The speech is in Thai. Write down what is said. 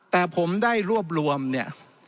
แต่ผมได้รวบรวมเนี่ย